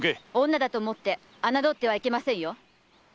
女だと思って侮ってはいけませんよ。